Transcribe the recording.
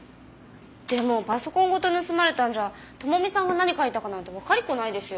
でもパソコンごと盗まれたんじゃ智美さんが何書いたかなんてわかりっこないですよ。